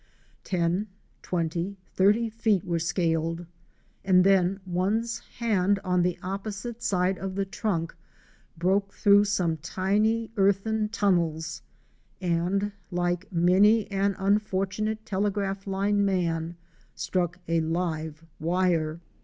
Ten, twenty, thirty feet were scaled, and then one's hand on the opposite side of the trunk broke through some tiny earthen tunnels, and, like many an unfortunate telegraph line man, struck a live wire.